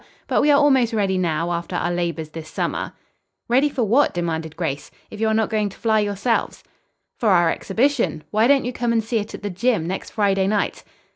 But we are almost ready now, after our labors this summer." "Ready for what?" demanded Grace. "If you are not going to fly yourselves." "For our exhibition. Why don't you come and see it at the gym. next Friday night?"